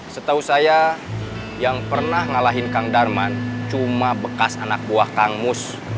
setahu saya yang pernah ngalahin kang darman cuma bekas anak buah kang mus